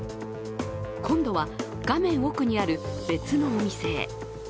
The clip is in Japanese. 今度は画面奥にある別のお店へ。